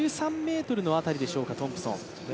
１３ｍの辺りでしょうか、トンプソン。